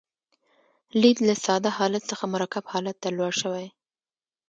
لید له ساده حالت څخه مرکب حالت ته لوړ شوی.